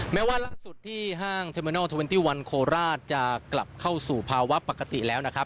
แม้ว่าล่าสุดที่ห้างเทอร์เมนอลเทอร์เนตี้วันโคราชจะกลับเข้าสู่ภาวะปกติแล้วนะครับ